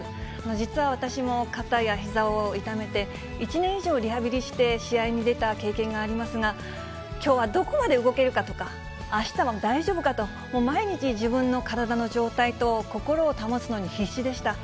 実は私も肩やひざを痛めて、１年以上リハビリして試合に出た経験がありますが、きょうはどこまで動けるかとか、あしたは大丈夫かと、毎日、自分の体の状態と心を保つのに必死でした。